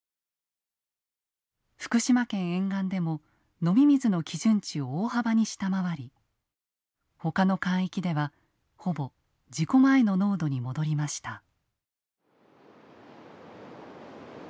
福島県沿岸でも飲み水の基準値を大幅に下回りほかの海域ではほぼ事故前の濃度に戻りました。